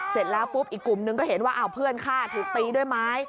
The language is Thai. เสร็จแล้วปุ๊บอีกกลุ่มนึงก็เห็นว่าเพื่อนฆ่าถูกตีด้วยไม้